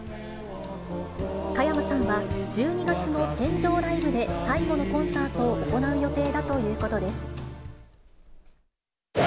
加山さんは１２月の船上ライブで最後のコンサートを行う予定